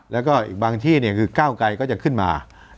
แล้วก็อีกบางที่เนี่ยคือก้าวไกรก็จะขึ้นมา